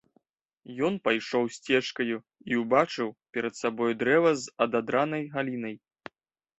Ён пайшоў сцежкаю і ўбачыў перад сабою дрэва з ададранай галінай.